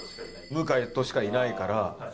向井としかいないから。